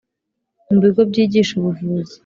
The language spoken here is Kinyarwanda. mu bigo byigisha ubuvuzi